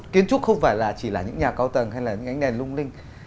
kiến trúc không phải là chỉ là những nhà cao tầng hay là những ánh đèn lung linh